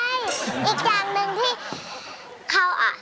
ใช่อีกอย่างหนึ่งที่เขาอ่ะ